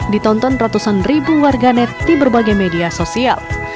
ditonton ratusan ribu warganet di berbagai media sosial